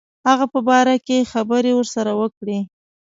هغه په باره کې خبري ورسره وکړي.